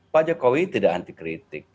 pak jokowi tidak anti kritik